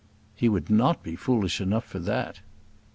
"He would not be foolish enough for that."